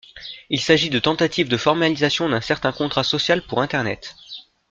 Il s'agit de tentatives de formalisation d'un certain contrat social pour Internet.